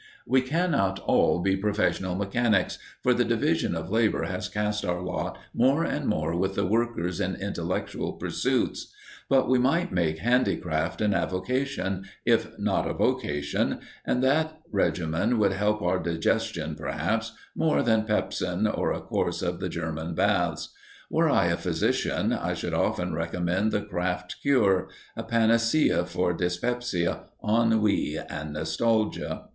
We cannot all be professional mechanics, for the division of labour has cast our lot more and more with the workers in intellectual pursuits. But we might make handicraft an avocation, if not a vocation, and that regimen would help our digestion, perhaps, more than pepsin or a course of the German baths. Were I a physician I should often recommend the craft cure a panacea for dyspepsia, ennui and nostalgia.